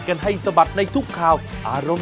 โอ้โห